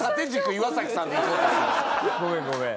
ごめんごめん。